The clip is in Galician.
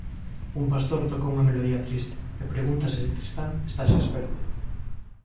Un pastor toca unha melodía triste e pregunta se Tristán está xa esperto.